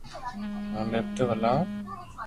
ھون ليپ ٽاپ ھلاو